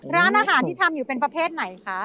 ร้านอาหารที่ทำอยู่เป็นประเภทไหนคะ